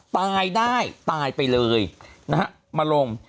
ตายได้ตายไปเลยนะฮะมาลง